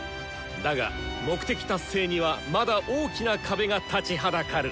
だが目的達成にはまだ大きな壁が立ちはだかる。